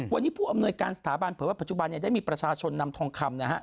วันนี้ผู้อำนวยการสถาบันเผยว่าปัจจุบันได้มีประชาชนนำทองคำนะฮะ